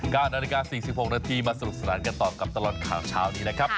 ๙นาฬิกา๔๖นาทีมาสนุกสนานกันต่อกับตลอดข่าวเช้านี้นะครับ